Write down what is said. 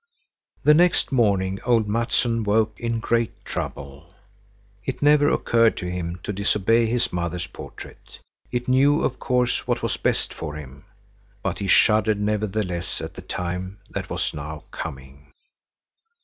The next morning old Mattsson woke in great trouble. It never occurred to him to disobey his mother's portrait; it knew of course what was best for him. But he shuddered nevertheless at the time that was now coming.